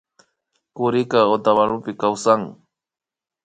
Kurika Otavalopi kawsan